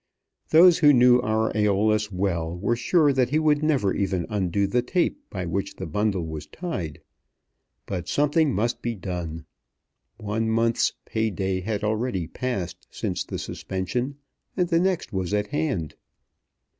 Those who knew our Æolus well were sure that he would never even undo the tape by which the bundle was tied. But something must be done. One month's pay day had already passed since the suspension, and the next was at hand.